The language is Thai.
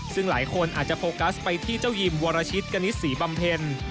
ซึ่งหลายคนอาจจะโฟกัสไปที่เจ้ายิมวรชิตกณิตศรีบำเพ็ญ